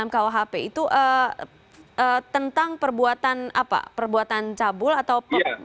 dua ratus sembilan puluh enam kuhp itu tentang perbuatan cabul atau pemberian